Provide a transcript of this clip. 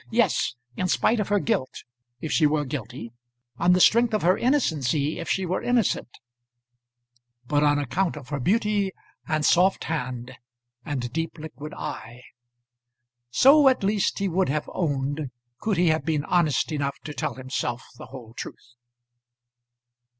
Yes; in spite of her guilt, if she were guilty; on the strength of her innocency, if she were innocent; but on account of her beauty, and soft hand, and deep liquid eye. So at least he would have owned, could he have been honest enough to tell himself the whole truth.